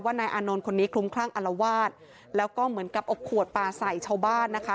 นายอานนท์คนนี้คลุ้มคลั่งอารวาสแล้วก็เหมือนกับเอาขวดปลาใส่ชาวบ้านนะคะ